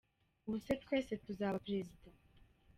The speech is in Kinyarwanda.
ubu se twese tuzaba prezida ?